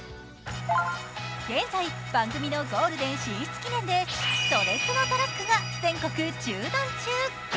現在番組のゴールデン進出記念で「それスノ」トラックが全国縦断中。